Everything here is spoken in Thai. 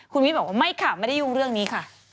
คุณวิทย์บอกว่าไม่ค่ะไม่ได้ยุ่งเรื่องนี้ค่ะ